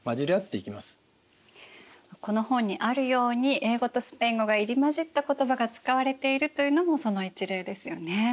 この本にあるように英語とスペイン語が入り交じった言葉が使われているというのもその一例ですよね。